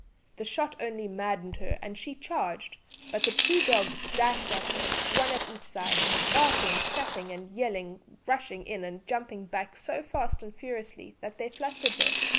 The shot only maddened her, and she charged; but the two dogs dashed at her, one at each side, barking snapping and yelling rushing in and jumping back so fast and furiously that they flustered her.